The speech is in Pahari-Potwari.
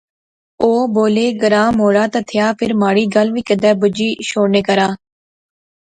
او بولے، گراں موہڑا تے تھیا فیر مہاڑی گل وی کیدے بجی شوڑنے کرا